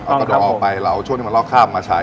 เอากระดงออกไปแล้วเอาช่วงที่มันลอกคาบมาใช้